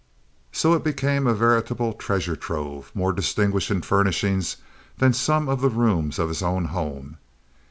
So it became a veritable treasure trove, more distinguished in furnishings than some of the rooms of his own home.